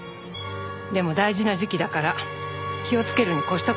でも大事な時期だから気をつけるに越した事はない。